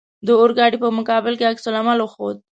د اورګاډي په مقابل کې عکس العمل وښود.